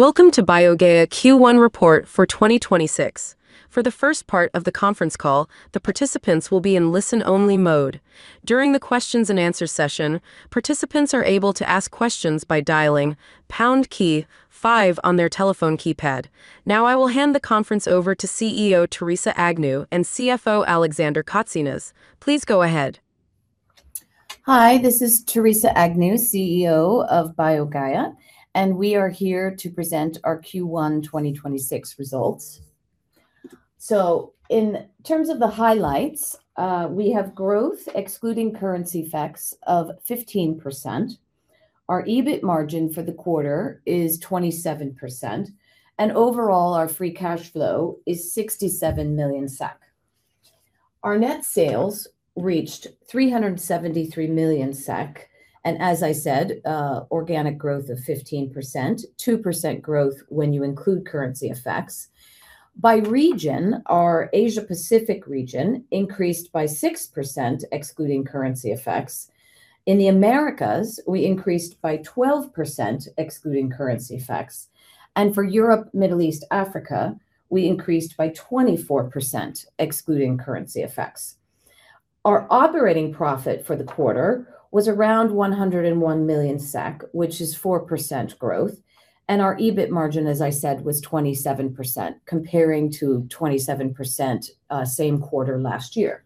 Now I will hand the conference over to CEO Theresa Agnew and CFO Alexander Kotsinas. Please go ahead. Hi, this is Theresa Agnew, CEO of BioGaia, and we are here to present our Q1 2026 results. In terms of the highlights, we have growth excluding currency effects of 15%. Our EBIT margin for the quarter is 27%, and overall, our free cash flow is 67 million SEK. Our net sales reached 373 million SEK, and as I said, organic growth of 15%, 2% growth when you include currency effects. By region, our Asia Pacific region increased by 6% excluding currency effects. In the Americas, we increased by 12% excluding currency effects. For Europe, Middle East, Africa, we increased by 24% excluding currency effects. Our operating profit for the quarter was around 101 million SEK, which is 4% growth, and our EBIT margin, as I said, was 27% comparing to 27% same quarter last year.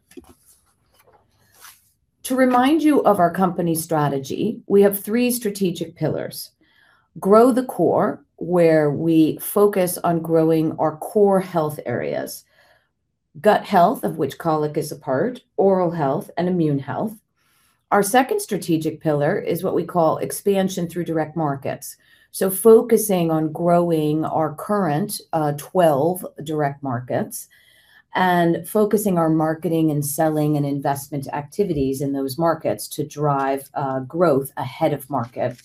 To remind you of our company strategy, we have three strategic pillars. Grow the core, where we focus on growing our core health areas, gut health, of which Colic is a part, oral health, and immune health. Our second strategic pillar is what we call expansion through direct markets. Focusing on growing our current 12 direct markets and focusing our marketing and selling and investment activities in those markets to drive growth ahead of market.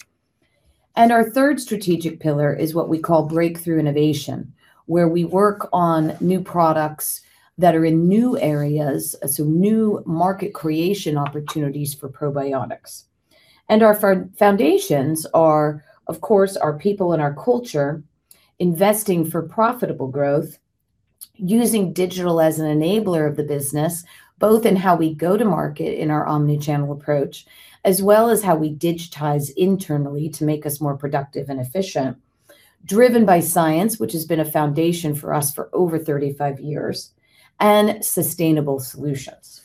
Our third strategic pillar is what we call breakthrough innovation, where we work on new products that are in new areas, so new market creation opportunities for probiotics. Our foundations are, of course, our people and our culture, investing for profitable growth, using digital as an enabler of the business, both in how we go to market in our omni-channel approach, as well as how we digitize internally to make us more productive and efficient, driven by science, which has been a foundation for us for over 35 years, and sustainable solutions.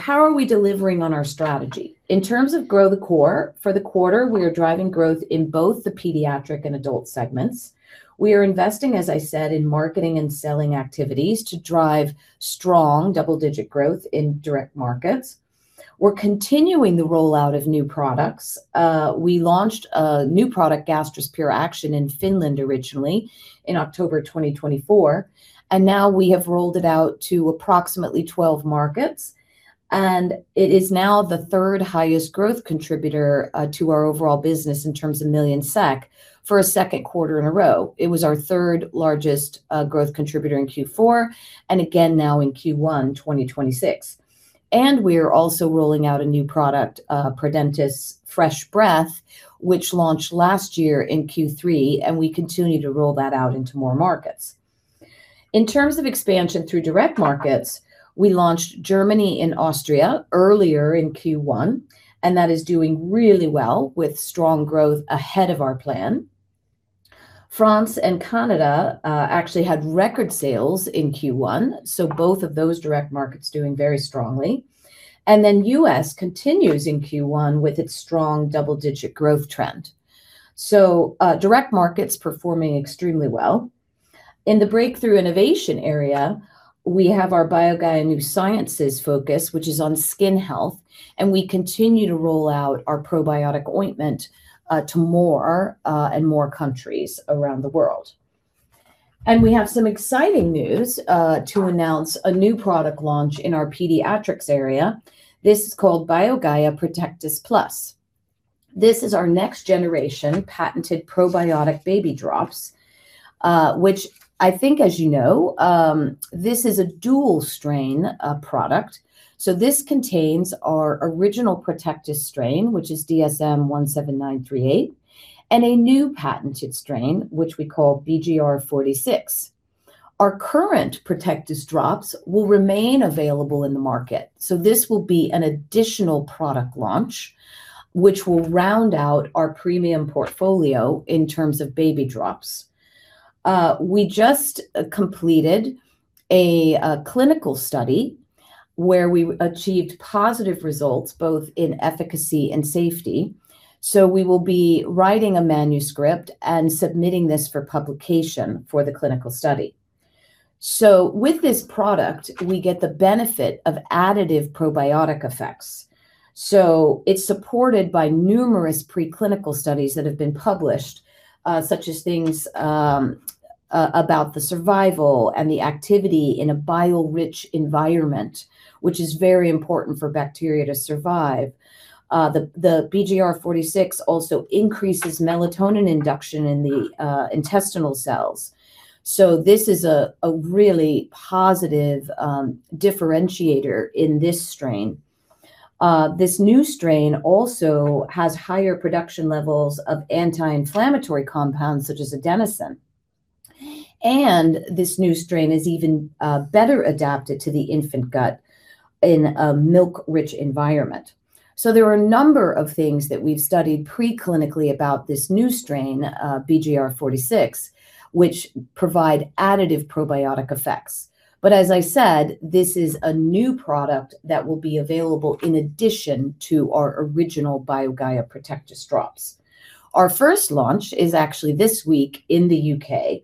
How are we delivering on our strategy? In terms of grow the core for the quarter, we are driving growth in both the pediatric and adult segments. We are investing, as I said, in marketing and selling activities to drive strong double-digit growth in direct markets. We're continuing the rollout of new products. We launched a new product, BioGaia Gastrus PURE ACTION, in Finland originally in October 2024, and now we have rolled it out to approximately 12 markets. It is now the third highest growth contributor to our overall business in terms of million SEK for a 2nd quarter in a row. It was our third largest growth contributor in Q4 and again now in Q1 2026. We are also rolling out a new product, Prodentis Fresh Breath, which launched last year in Q3, and we continue to roll that out into more markets. In terms of expansion through direct markets, we launched Germany and Austria earlier in Q1, and that is doing really well with strong growth ahead of our plan. France and Canada actually had record sales in Q1. Both of those direct markets doing very strongly. The U.S. continues in Q1 with its strong double-digit growth trend, direct markets performing extremely well. In the breakthrough innovation area, we have our BioGaia New Sciences focus, which is on skin health, and we continue to roll out our probiotic ointment to more and more countries around the world. We have some exciting news to announce a new product launch in our pediatrics area. This is called BioGaia Protectis Plus. This is our next generation patented probiotic baby drops, which I think, as you know, this is a dual-strain product. This contains our original Protectis strain, which is DSM 17938, and a new patented strain, which we call BG-R46. Our current Protectis drops will remain available in the market, so this will be an additional product launch, which will round out our premium portfolio in terms of baby drops. We just completed a clinical study where we achieved positive results both in efficacy and safety, so we will be writing a manuscript and submitting this for publication for the clinical study. With this product, we get the benefit of additive probiotic effects. It's supported by numerous preclinical studies that have been published, such as things about the survival and the activity in a bile-rich environment, which is very important for bacteria to survive. The BG-R46 also increases melatonin induction in the intestinal cells. This is a really positive differentiator in this strain. This new strain also has higher production levels of anti-inflammatory compounds such as adenosine, and this new strain is even better adapted to the infant gut in a milk-rich environment. There are a number of things that we've studied pre-clinically about this new strain, BG-R46, which provide additive probiotic effects. As I said, this is a new product that will be available in addition to our original BioGaia Protectis drops. Our first launch is actually this week in the U.K.,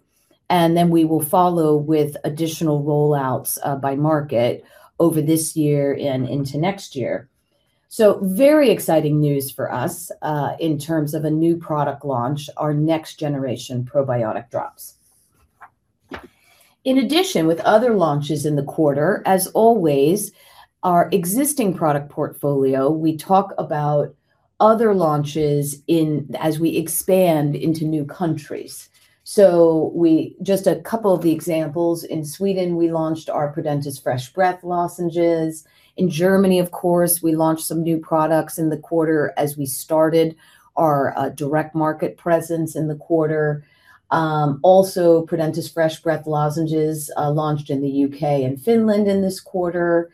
and then we will follow with additional rollouts by market over this year and into next year. Very exciting news for us in terms of a new product launch, our next generation probiotic drops. In addition, with other launches in the quarter, as always, our existing product portfolio, we talk about other launches in as we expand into new countries. Just a couple of the examples, in Sweden, we launched our Prodentis Fresh Breath lozenges. In Germany, of course, we launched some new products in the quarter as we started our direct market presence in the quarter. Also Prodentis Fresh Breath lozenges launched in the U.K. And Finland in this quarter.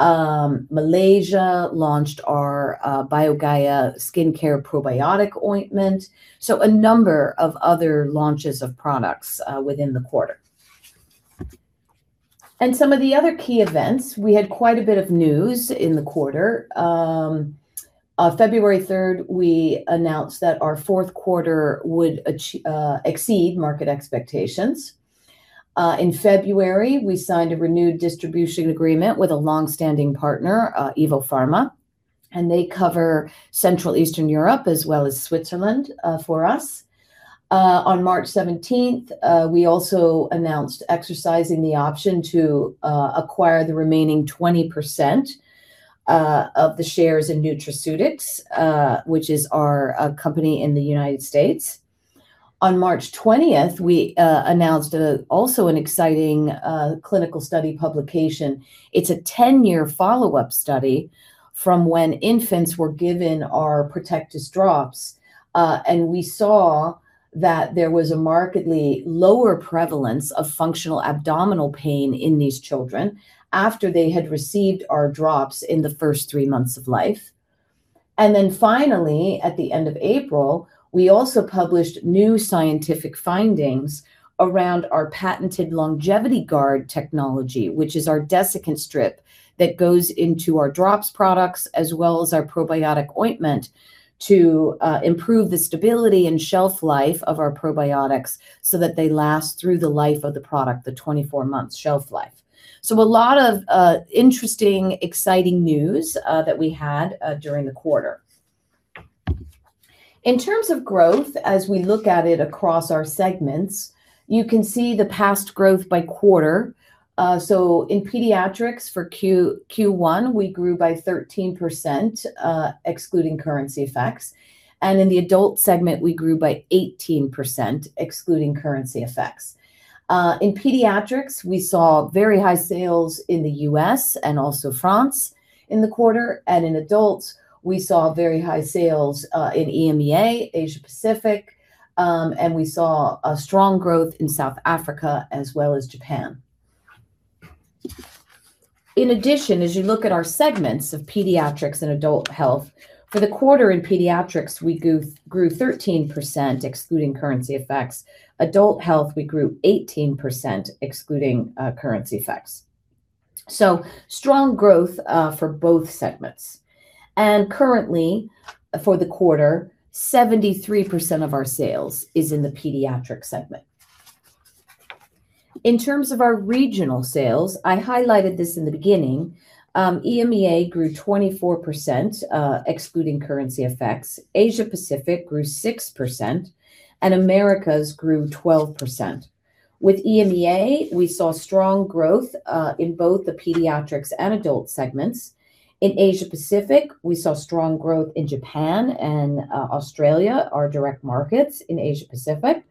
Malaysia launched our BioGaia Skincare Probiotic Ointment. A number of other launches of products within the quarter. Some of the other key events, we had quite a bit of news in the quarter. On February 3rd, we announced that our fourth quarter would exceed market expectations. In February, we signed a renewed distribution agreement with a long-standing partner, Ewopharma, and they cover Central Eastern Europe as well as Switzerland for us. On March 17th, we also announced exercising the option to acquire the remaining 20% of the shares in Nutraceutics, which is our company in the United States. On March 20th, we announced also an exciting clinical study publication. It's a 10-year follow-up study from when infants were given our Protectis drops, and we saw that there was a markedly lower prevalence of functional abdominal pain in these children after they had received our drops in the first three months of life. Finally, at the end of April, we also published new scientific findings around our patented LongevityGuard technology, which is our desiccant strip that goes into our drops products as well as our probiotic ointment to improve the stability and shelf life of our probiotics so that they last through the life of the product, the 24-month shelf life. A lot of interesting, exciting news that we had during the quarter. In terms of growth, as we look at it across our segments, you can see the past growth by quarter. In pediatrics for Q1, we grew by 13% excluding currency effects. In the adult segment, we grew by 18% excluding currency effects. In pediatrics, we saw very high sales in the U.S. and also France in the quarter. In adults, we saw very high sales in EMEA, Asia Pacific, and we saw strong growth in South Africa as well as Japan. In addition, as you look at our segments of pediatrics and adult health, for the quarter in pediatrics, we grew 13%, excluding currency effects. Adult health, we grew 18%, excluding currency effects. Strong growth for both segments. Currently, for the quarter, 73% of our sales is in the pediatric segment. In terms of our regional sales, I highlighted this in the beginning, EMEA grew 24%, excluding currency effects. Asia Pacific grew 6%, and Americas grew 12%. With EMEA, we saw strong growth in both the pediatrics and adult segments. In Asia Pacific, we saw strong growth in Japan and Australia, our direct markets in Asia Pacific.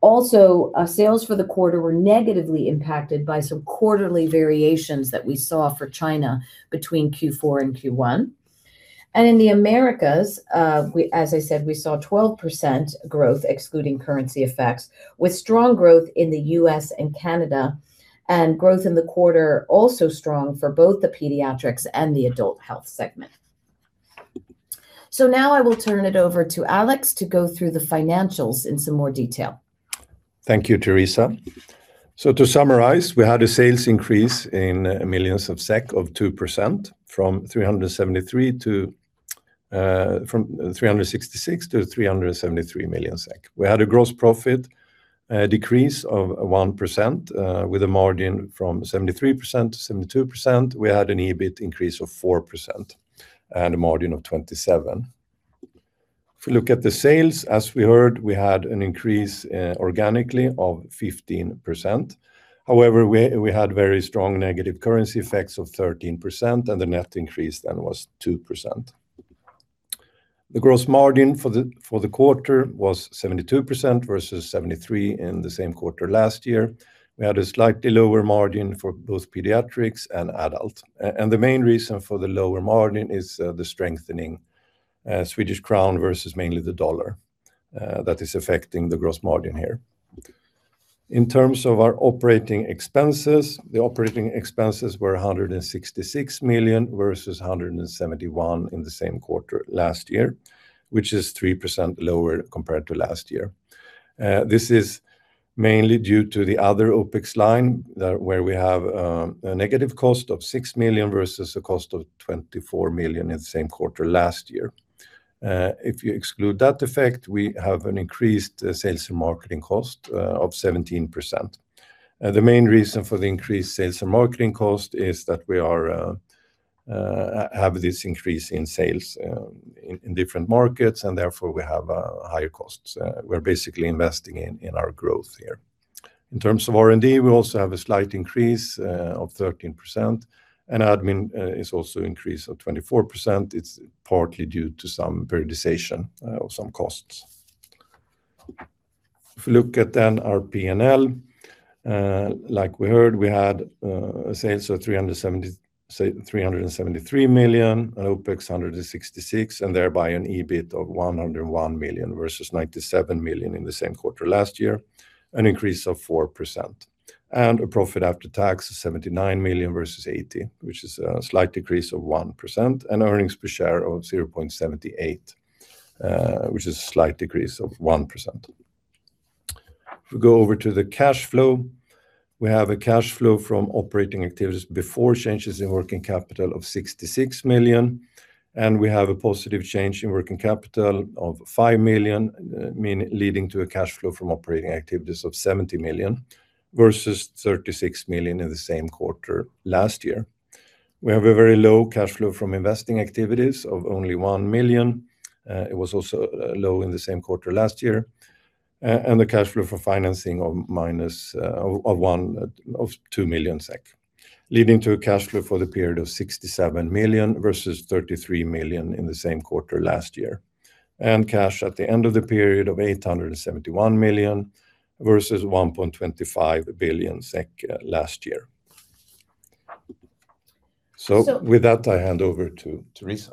Also, sales for the quarter were negatively impacted by some quarterly variations that we saw for China between Q4 and Q1. In the Americas, as I said, we saw 12% growth, excluding currency effects, with strong growth in the U.S. and Canada, and growth in the quarter also strong for both the pediatrics and the adult health segment. Now I will turn it over to Alex to go through the financials in some more detail. Thank you, Theresa. To summarize, we had a sales increase in millions of SEK of 2% from 366-373 million SEK. We had a gross profit decrease of 1% with a margin from 73%-72%. We had an EBIT increase of 4% and a margin of 27%. If we look at the sales, as we heard, we had an increase organically of 15%. However, we had very strong negative currency effects of 13%, the net increase then was 2%. The gross margin for the quarter was 72% versus 73% in the same quarter last year. We had a slightly lower margin for both pediatrics and adult. The main reason for the lower margin is the strengthening Swedish crown versus mainly the dollar that is affecting the gross margin here. In terms of our operating expenses, the operating expenses were 166 million versus 171 in the same quarter last year, which is 3% lower compared to last year. This is mainly due to the other OPEX line, where we have a negative cost of 6 million versus a cost of 24 million in the same quarter last year. If you exclude that effect, we have an increased sales and marketing cost of 17%. The main reason for the increased sales and marketing cost is that we have this increase in sales in different markets and therefore we have higher costs. We're basically investing in our growth here. In terms of R&D, we also have a slight increase of 13%. Admin is also increased of 24%. It's partly due to some periodization of some costs. If you look at our P&L, like we heard, we had sales of 373 million. OpEX 166 million, thereby an EBIT of 101 million versus 97 million in the same quarter last year, an increase of 4%. A profit after tax of 79 million versus 80 million, which is a slight decrease of 1%. Earnings per share of 0.78, which is a slight decrease of 1%. If we go over to the cash flow, we have a cash flow from operating activities before changes in working capital of 66 million, we have a positive change in working capital of 5 million, leading to a cash flow from operating activities of 70 million versus 36 million in the same quarter last year. We have a very low cash flow from investing activities of only 1 million. It was also low in the same quarter last year. The cash flow for financing of -2 million SEK, leading to a cash flow for the period of 67 million versus 33 million in the same quarter last year. Cash at the end of the period of 871 million versus 1.25 billion SEK last year. So- With that, I hand over to Theresa.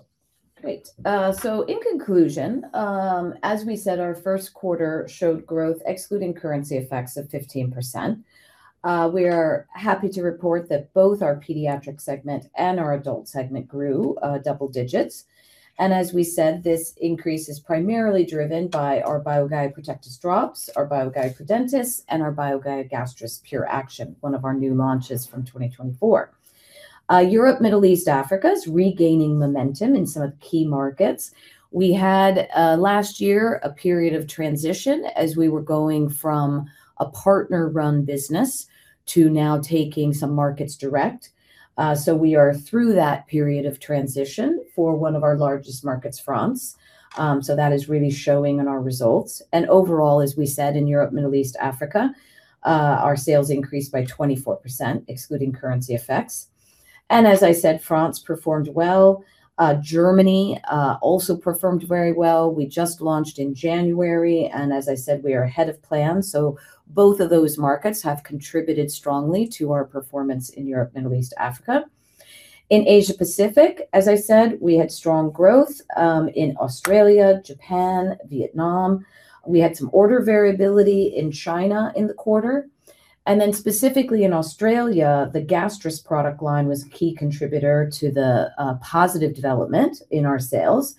Great. In conclusion, as we said, our first quarter showed growth excluding currency effects of 15%. We are happy to report that both our Pediatric segment and our Adult segment grew double digits. As we said, this increase is primarily driven by our BioGaia Protectis drops, our BioGaia Prodentis, and our BioGaia Gastrus PURE ACTION, one of our new launches from 2024. Europe, Middle East, Africa is regaining momentum in some of the key markets. We had last year a period of transition as we were going from a partner-run business to now taking some markets direct. We are through that period of transition for one of our largest markets, France. That is really showing in our results. Overall, as we said, in Europe, Middle East, Africa, our sales increased by 24% excluding currency effects. As I said, France performed well. Germany also performed very well. We just launched in January and as I said, we are ahead of plan, both of those markets have contributed strongly to our performance in Europe, Middle East, Africa. In Asia Pacific, as I said, we had strong growth in Australia, Japan, Vietnam. We had some order variability in China in the quarter. Specifically in Australia, the Gastrus product line was a key contributor to the positive development in our sales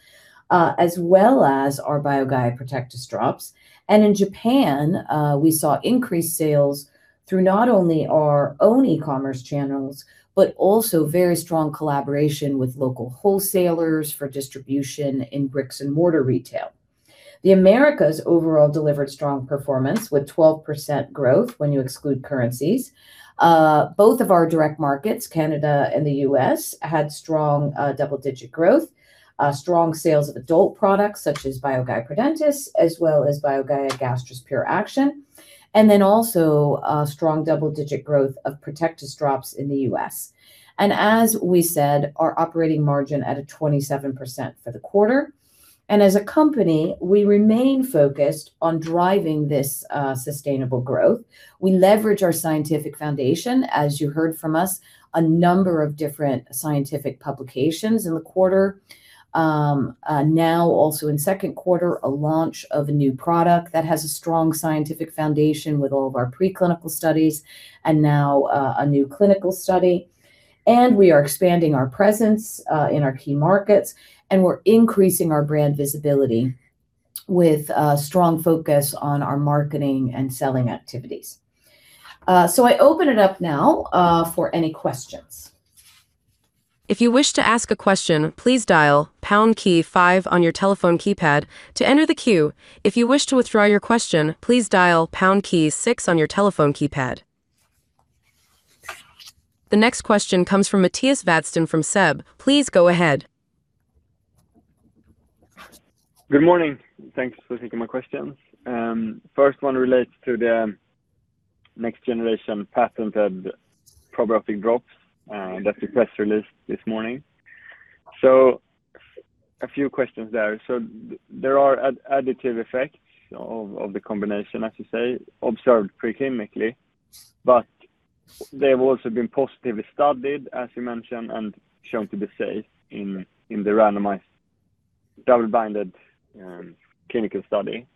as well as our BioGaia Protectis drops. In Japan, we saw increased sales through not only our own e-commerce channels, but also very strong collaboration with local wholesalers for distribution in bricks and mortar retail. The Americas overall delivered strong performance with 12% growth when you exclude currencies. Both of our direct markets, Canada and the U.S., had strong double-digit growth. Strong sales of adult products such as BioGaia Prodentis, as well as BioGaia Gastrus PURE ACTION, strong double-digit growth of Protectis drops in the U.S. As we said, our operating margin at a 27% for the quarter. As a company, we remain focused on driving this sustainable growth. We leverage our scientific foundation, as you heard from us, a number of different scientific publications in the quarter. Now also in second quarter, a launch of a new product that has a strong scientific foundation with all of our preclinical studies and now a new clinical study. We are expanding our presence in our key markets, and we're increasing our brand visibility with a strong focus on our marketing and selling activities. I open it up now for any questions. If you wish to ask a question, please dial pound key five on your telephone keypad to enter the queue. If you wish to withdraw your question, please dial pound key six on your telephone keypad. The next question comes from Mattias Vadsten from SEB. Please go ahead. Good morning. Thanks for taking my questions. First one relates to the Next generation patented probiotic drops that the press released this morning. A few questions there. There are additive effects of the combination, as you say, observed pre-clinically, but they have also been positively studied, as you mentioned, and shown to be safe in the randomized double-blinded clinical study.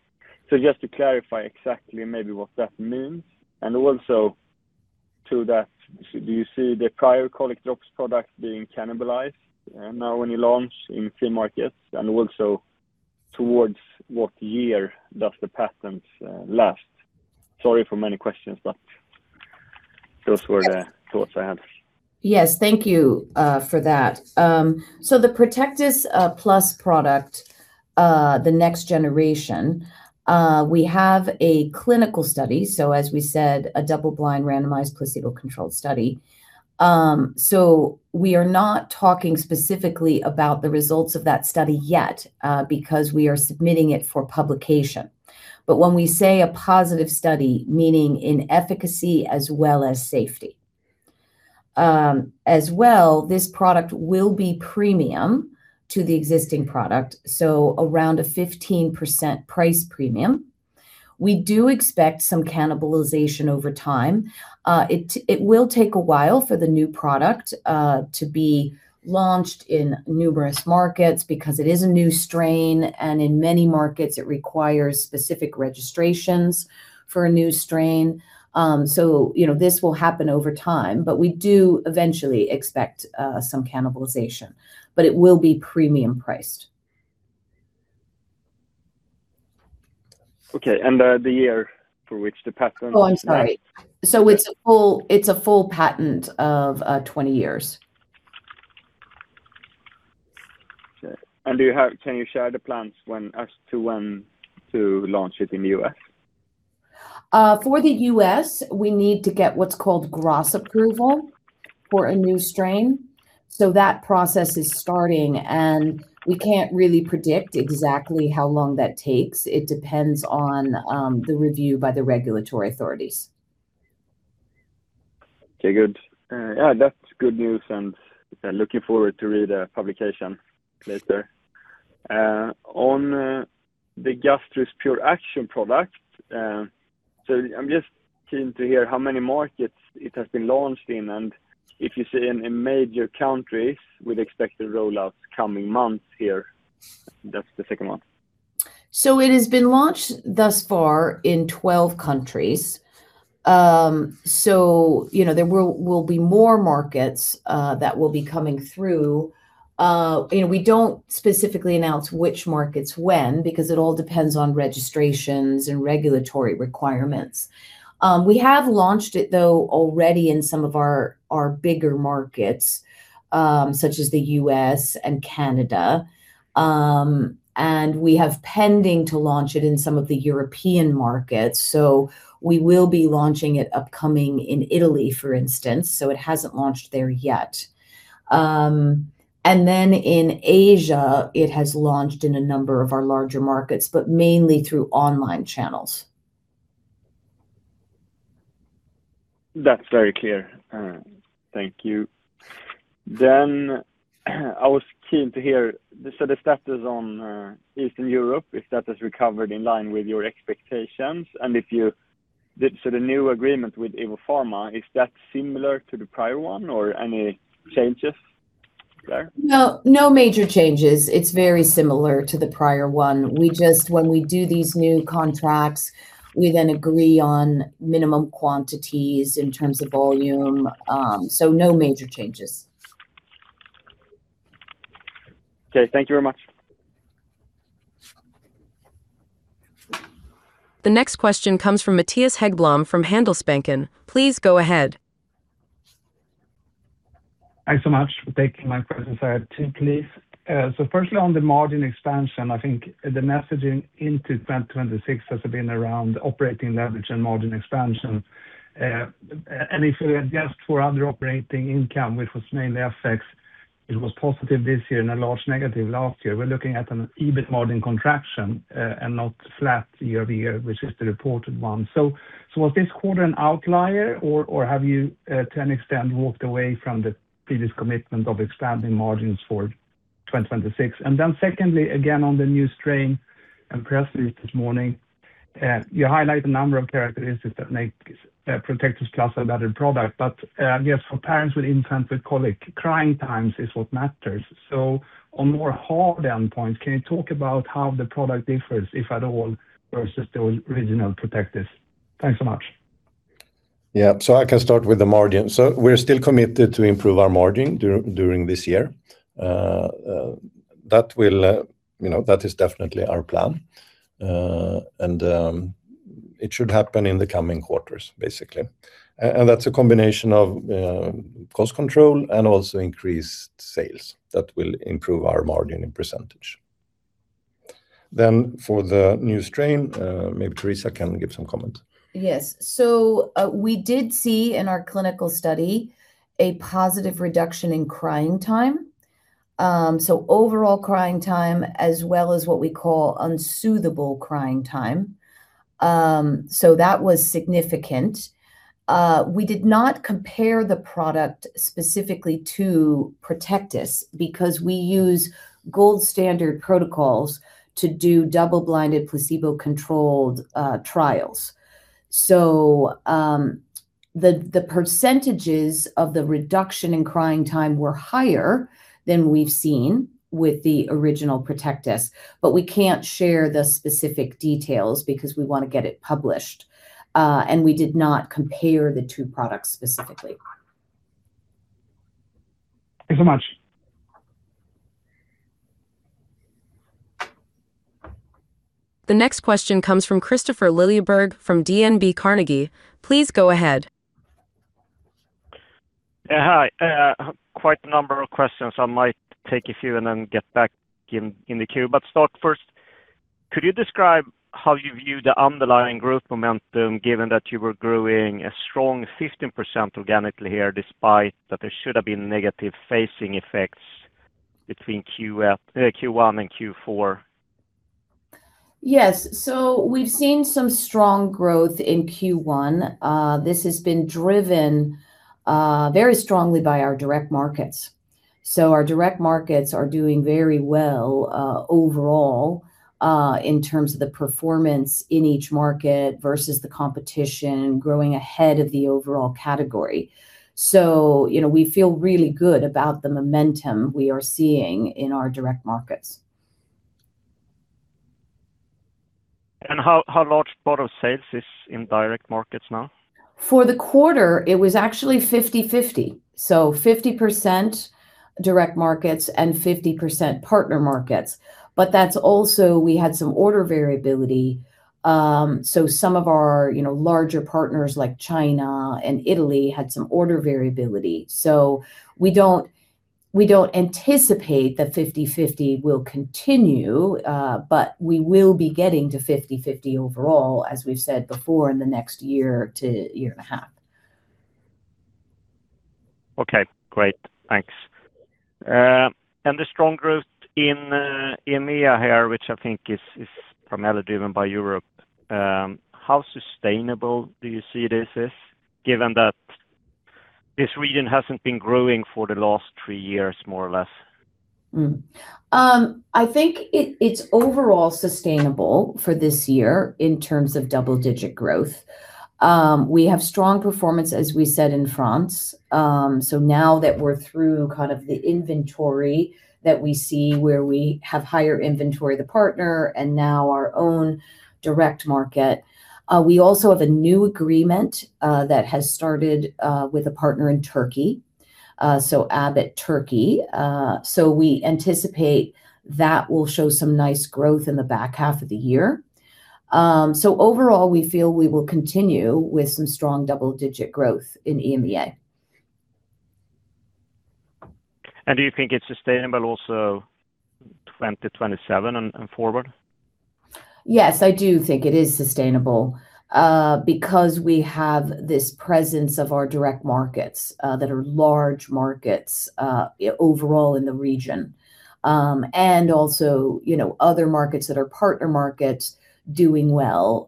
Just to clarify exactly maybe what that means and also to that, do you see the prior colic drops products being cannibalized now when you launch in key markets? Towards what year does the patent last? Sorry for many questions. Those were the thoughts I had. Yes. Thank you for that. The Protectis Plus product, the next generation, we have a clinical study, as we said, a double blind randomized placebo-controlled study. We are not talking specifically about the results of that study yet, because we are submitting it for publication. When we say a positive study, meaning in efficacy as well as safety. As well, this product will be premium to the existing product, around a 15% price premium. We do expect some cannibalization over time. It will take a while for the new product to be launched in numerous markets because it is a new strain, and in many markets it requires specific registrations for a new strain. You know, this will happen over time, but we do eventually expect some cannibalization. It will be premium priced. Okay. The year for which the patent lasts? Oh, I'm sorry. It's a full patent of 20 years. Okay. Can you share the plans when as to when to launch it in the U.S.? For the U.S., we need to get what's called GRAS approval for a new strain. That process is starting, and we can't really predict exactly how long that takes. It depends on the review by the regulatory authorities. Okay, good. Yeah, that's good news and looking forward to read a publication later. On the Gastrus PURE ACTION product, I'm just keen to hear how many markets it has been launched in and if you see any major countries with expected roll out coming months here. That's the second one. It has been launched thus far in 12 countries. You know, there will be more markets that will be coming through. You know, we don't specifically announce which markets when because it all depends on registrations and regulatory requirements. We have launched it though already in some of our bigger markets, such as the U.S. and Canada. We have pending to launch it in some of the European markets, so we will be launching it upcoming in Italy, for instance, so it hasn't launched there yet. Then in Asia, it has launched in a number of our larger markets, but mainly through online channels. That's very clear. Thank you. I was keen to hear the status on Eastern Europe, if that has recovered in line with your expectations, and if the new agreement with Ewopharma, is that similar to the prior one or any changes there? No, no major changes. It's very similar to the prior one. When we do these new contracts, we agree on minimum quantities in terms of volume. No major changes. Okay. Thank you very much. The next question comes from Mattias Häggblom from Handelsbanken. Please go ahead. Thanks so much for taking my questions. I have two, please. Firstly, on the margin expansion, I think the messaging into 2026 has been around operating leverage and margin expansion. If we adjust for other operating income, which was mainly FX, it was positive this year and a large negative last year. We're looking at an EBIT margin contraction, not flat year over year, which is the reported one. Was this quarter an outlier or have you, to an extent, walked away from the previous commitment of expanding margins for 2026? Secondly, again, on the new strain and press release this morning, you highlight a number of characteristics that make Protectis Plus a better product. I guess for parents with infants with Colic, crying times is what matters. On more hard endpoints, can you talk about how the product differs, if at all, versus the original Protectis? Thanks so much. Yeah. I can start with the margin. We're still committed to improve our margin during this year. That will, you know, that is definitely our plan. It should happen in the coming quarters, basically. And that's a combination of cost control and also increased sales that will improve our margin in percentage. For the new strain, maybe Theresa can give some comment. We did see in our clinical study a positive reduction in crying time. Overall crying time as well as what we call unsoothable crying time. That was significant. We did not compare the product specifically to Protectis because we use gold standard protocols to do double-blinded placebo-controlled trials. The percentages of the reduction in crying time were higher than we've seen with the original Protectis, but we can't share the specific details because we wanna get it published. We did not compare the two products specifically. Thank you so much. The next question comes from Kristofer Liljeberg from DNB Carnegie. Please go ahead. Yeah, hi. Quite a number of questions. I might take a few and then get back in the queue. Start first, could you describe how you view the underlying growth momentum given that you were growing a strong 15% organically here, despite that there should have been negative phasing effects between Q1 and Q4? Yes. We've seen some strong growth in Q1. This has been driven very strongly by our direct markets. Our direct markets are doing very well overall in terms of the performance in each market versus the competition growing ahead of the overall category. You know, we feel really good about the momentum we are seeing in our direct markets. How large part of sales is in direct markets now? For the quarter, it was actually 50/50, so 50% direct markets and 50% partner markets. That's also, we had some order variability. Some of our, you know, larger partners like China and Italy had some order variability. We don't anticipate that 50/50 will continue, but we will be getting to 50/50 overall, as we've said before, in the next year to 1.5 years. Okay. Great. Thanks. The strong growth in EMEA here, which I think is primarily driven by Europe, how sustainable do you see this is given that this region hasn't been growing for the last 3 years, more or less? I think it's overall sustainable for this year in terms of double-digit growth. We have strong performance, as we said, in France. Now that we're through kind of the inventory that we see where we have higher inventory, the partner, and now our own direct market. We also have a new agreement that has started with a partner in Turkey, so Abbott Turkey. We anticipate that will show some nice growth in the back half of the year. Overall, we feel we will continue with some strong double-digit growth in EMEA. Do you think it's sustainable also 2027 and forward? Yes, I do think it is sustainable, because we have this presence of our direct markets, that are large markets, overall in the region. Also, you know, other markets that are partner markets doing well,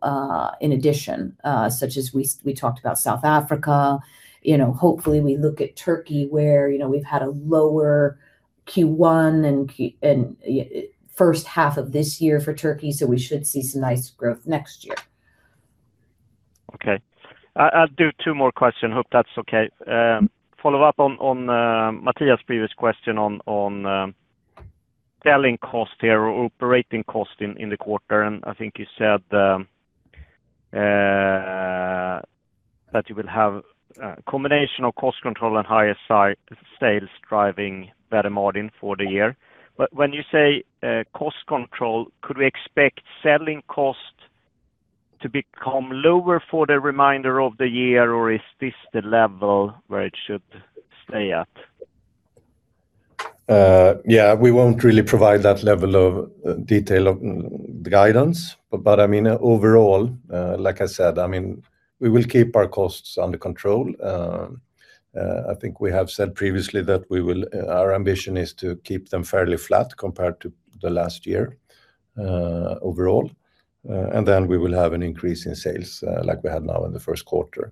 in addition, such as we talked about South Africa. You know, hopefully we look at Turkey where, you know, we've had a lower Q1 and first half of this year for Turkey, so we should see some nice growth next year. Okay. I'll do two more question. Hope that's okay. Follow up on Mattias' previous question on selling cost here or operating cost in the quarter. I think you said that you will have a combination of cost control and higher sales driving better margin for the year. When you say cost control, could we expect selling cost to become lower for the remainder of the year, or is this the level where it should stay at? Yeah. We won't really provide that level of detail of the guidance. I mean, overall, like I said, I mean, we will keep our costs under control. I think we have said previously that we will Our ambition is to keep them fairly flat compared to the last year, overall. And then we will have an increase in sales, like we had now in the first quarter.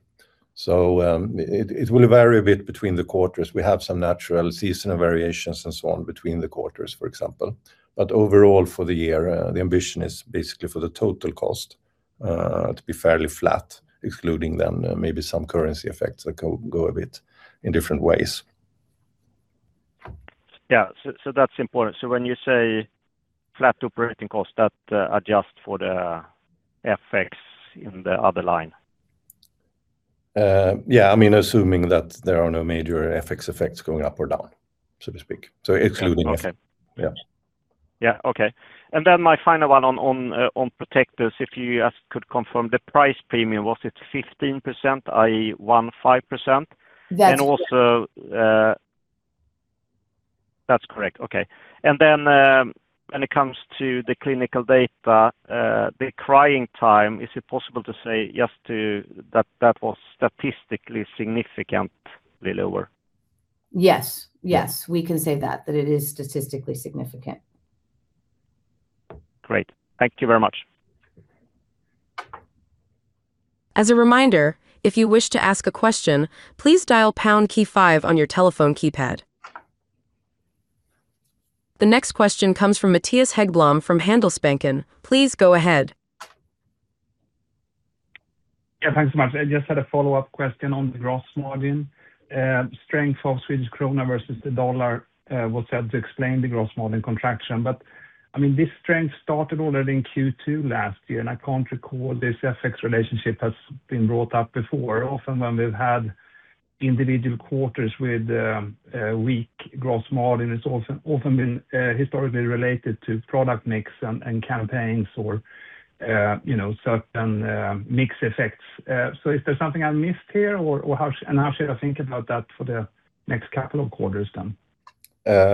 It will vary a bit between the quarters. We have some natural seasonal variations and so on between the quarters, for example. Overall, for the year, the ambition is basically for the total cost to be fairly flat, excluding then maybe some currency effects that go a bit in different ways. Yeah. That's important. When you say flat operating costs, that adjusts for the FX in the other line? Yeah, I mean, assuming that there are no major FX effects going up or down, so to speak. Excluding FX. Okay. Yeah. Yeah. Okay. My final one on Protectis. If you could confirm the price premium, was it 15%, i.e., 15%? Yes. Also, That's correct. Okay. Then, When it comes to the clinical data, the crying time, is it possible to say just to that was statistically significant way lower? Yes. Yes, we can say that it is statistically significant. Great. Thank you very much. The next question comes from Mattias Häggblom from Handelsbanken. Please go ahead. Yeah, thanks so much. I just had a follow-up question on the gross margin. Strength of Swedish krona versus the dollar was said to explain the gross margin contraction. I mean, this strength started already in Q2 last year, and I can't recall this FX relationship has been brought up before. Often when we've had individual quarters with weak gross margin, it's also often been historically related to product mix and campaigns or, you know, certain mix effects. Is there something I missed here, or how should I think about that for the next couple of quarters then?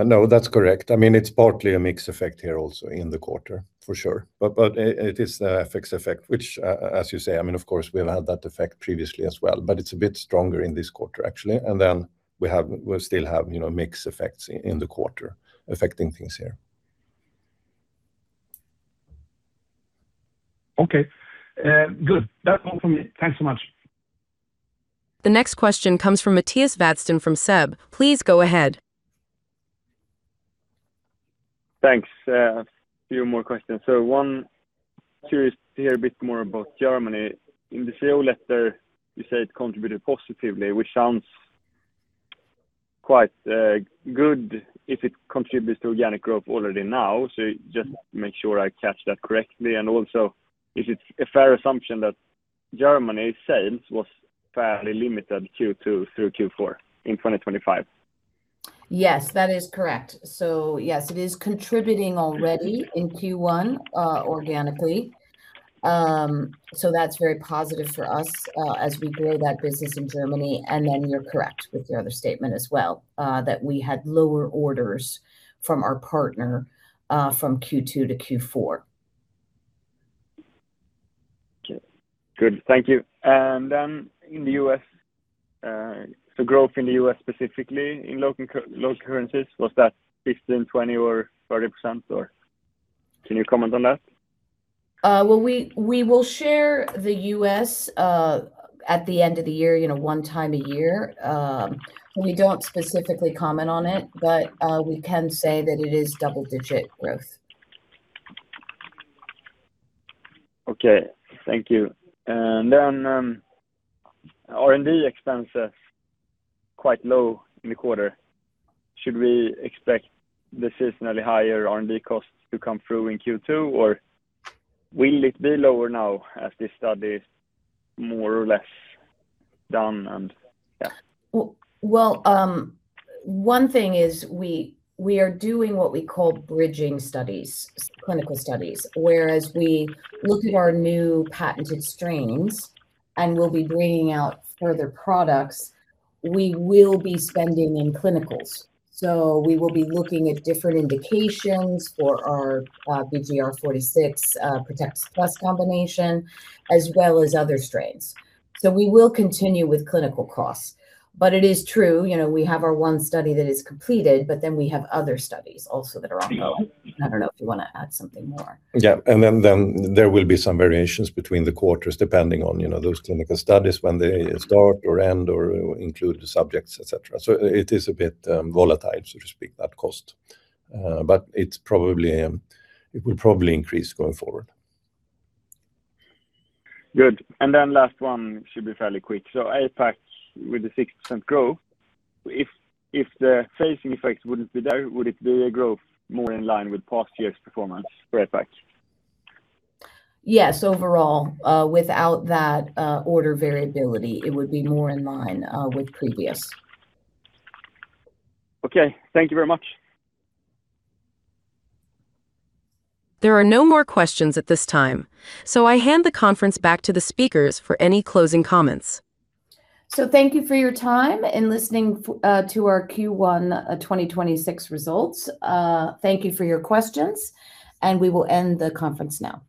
No, that's correct. I mean, it's partly a mix effect here also in the quarter, for sure. It is the FX effect, which, as you say, I mean, of course, we have had that effect previously as well, but it's a bit stronger in this quarter, actually. We still have, you know, mix effects in the quarter affecting things here. Okay. good. That's all from me. Thanks so much. The next question comes from Mattias Vadsten from SEB. Please go ahead. Thanks. A few more questions. One, curious to hear a bit more about Germany. In the CEO letter, you said it contributed positively, which sounds quite good if it contributes to organic growth already now. Just make sure I catch that correctly. Also, is it a fair assumption that Germany sales was fairly limited Q2 through Q4 in 2025? Yes, that is correct. Yes, it is contributing already in Q1 organically. That's very positive for us as we grow that business in Germany. You're correct with your other statement as well that we had lower orders from our partner from Q2-Q4. Okay. Good. Thank you. In the U.S., growth in the U.S. specifically in local currencies, was that 15%, 20%, or 30%, or can you comment on that? Well, we will share the U.S. at the end of the year, you know, one time a year. We don't specifically comment on it. We can say that it is double-digit growth. Okay. Thank you. R&D expenses quite low in the quarter. Should we expect the seasonally higher R&D costs to come through in Q2, or will it be lower now as this study is more or less done? Well, one thing is we are doing what we call bridging studies, clinical studies, where as we look at our new patented strains and we will be bringing out further products, we will be spending in clinicals. We will be looking at different indications for our BG-R46 Protectis Plus combination, as well as other strains. We will continue with clinical costs. It is true, you know, we have our one study that is completed, but then we have other studies also that are ongoing. I don't know if you wanna add something more. Yeah. Then there will be some variations between the quarters depending on, you know, those clinical studies when they start or end or include the subjects, et cetera. It is a bit volatile, so to speak, that cost. It's probably it will probably increase going forward. Good. Last one should be fairly quick. APAC with the 6% growth, if the phasing effects wouldn't be there, would it be a growth more in line with past year's performance for APAC? Yes. Overall, without that order variability, it would be more in line with previous. Okay. Thank you very much. There are no more questions at this time, so I hand the conference back to the speakers for any closing comments. Thank you for your time and listening to our Q1 2026 results. Thank you for your questions, and we will end the conference now.